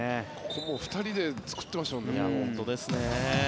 ここはもう２人で作ってましたもんね。